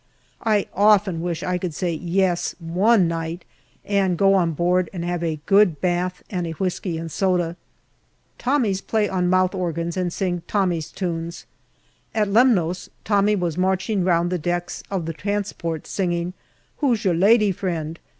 I often wish I could say " Yes " one night, and go on board and have a good bath and a whisky and soda. Tommies play on mouth organs and sing Tommy's tunes. At Lemnos, Tommy was marching round the decks of the transports singing " Who's your Lady Friend